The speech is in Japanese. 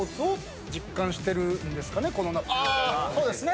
そうですね。